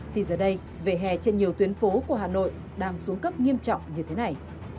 thì giờ đây vẻ hè trên nhiều tuyến phố của hà nội đang xuống cấp nghiêm trọng như thế này